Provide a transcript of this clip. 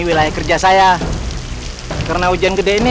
wilayah kerja saya karena hujan gede ini